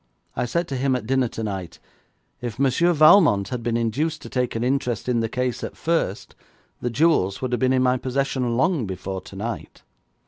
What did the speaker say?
I said to him at dinner tonight: "If Monsieur Valmont had been induced to take an interest in the case at first, the jewels would have been in my possession long before tonight."'